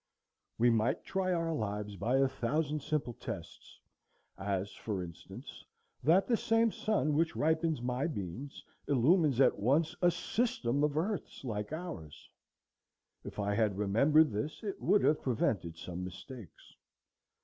We might try our lives by a thousand simple tests; as, for instance, that the same sun which ripens my beans illumines at once a system of earths like ours. If I had remembered this it would have prevented some mistakes.